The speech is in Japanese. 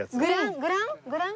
グラングラン？